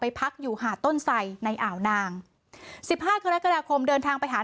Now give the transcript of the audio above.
พักอยู่หาดต้นไสในอ่าวนางสิบห้ากรกฎาคมเดินทางไปหา